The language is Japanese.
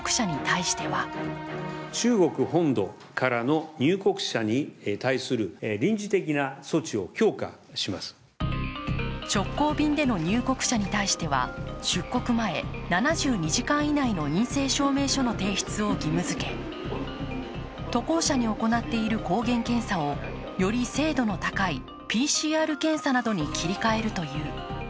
中国からの入国者に対しては直行便での入国者に対しては出国前、７２時間以内の陰性証明書の提出を義務づけ渡航者に行っている抗原検査をより精度の高いＰＣＲ検査などに切り替えるという。